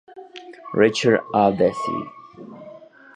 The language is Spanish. Reacher obedece.